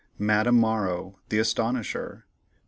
MADAME MORROW, THE ASTONISHER, No.